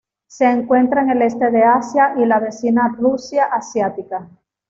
Se encuentra en el Este de Asia y la vecina Rusia asiática.